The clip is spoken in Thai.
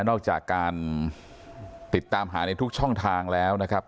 นอกจากการติดตามหาในทุกช่องทางแล้วนะครับ